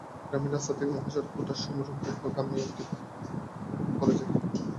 গ্রামীণ রাস্তা থেকে মহাসড়কে ওঠার সময় রংপুরগামী একটি বাস ভটভটিকে চাপা দেয়।